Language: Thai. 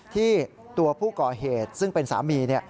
ที่ตัวผู้ก่อเหตุซึ่งเป็นสามี